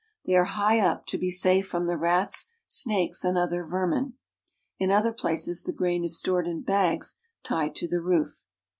They are high up ; to be safe from the rats, snakes, and other vermin. In other places the grain is stored in bags tied to the roof.